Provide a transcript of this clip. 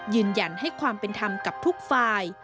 ยืนยันให้ความเป็นธรรมกับทุกฝ่าย